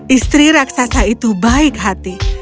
istri raksasa itu baik hati